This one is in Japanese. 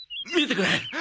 見てくれ。